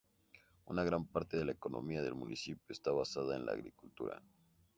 Una gran parte de la economía del municipio está basada en la agricultura.